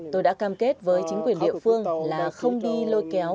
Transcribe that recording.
tôi đã cam kết với chính quyền địa phương là không đi lôi kéo